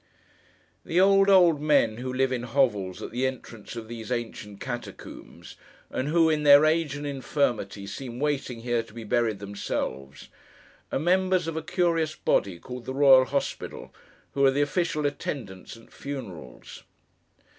The old, old men who live in hovels at the entrance of these ancient catacombs, and who, in their age and infirmity, seem waiting here, to be buried themselves, are members of a curious body, called the Royal Hospital, who are the official attendants at funerals.